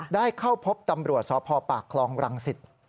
ได้เข้าพบตำรวจสพปากคลองรังสิต